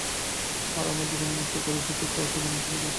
আর আমার জীবন যেভাবে নষ্ট করেছিস তোরটাও সেভাবে নষ্ট করবো।